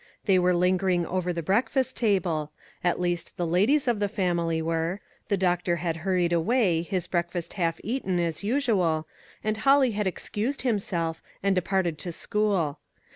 They were lingering over the breakfast table ; at least the ladies of the family were ; the doctor had hurried away, his breakfast half eaten, as usual, and Holly had excused himself, and departed to school.